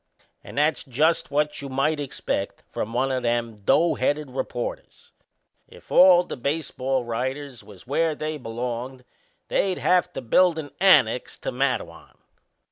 "And that's just what you might expect from one o' them doughheaded reporters. If all the baseball writers was where they belonged they'd have to build an annex to Matteawan."